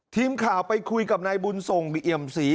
ทีมข่าวไปคุยกับนายบุญส่งบิเอี่ยมศรี